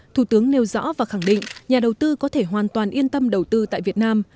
thủ tướng nêu rõ và khẳng định nhà đầu tư có thể hoàn toàn yên tâm đầu tư tại việt nam